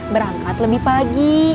berangkat lebih pagi